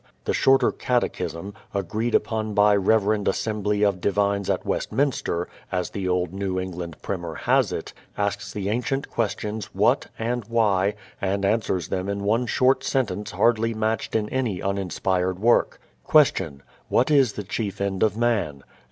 The Shorter Catechism, "Agreed upon by the Reverend Assembly of Divines at Westminster," as the old New England Primer has it, asks the ancient questions what and why and answers them in one short sentence hardly matched in any uninspired work. "Question: What is the chief End of Man?